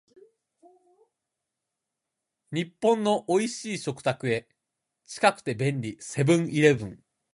日本の美味しい食卓へ、近くて便利、セブンイレブン